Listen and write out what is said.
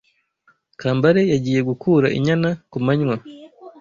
kambare yagiye gukura inyana kumanywa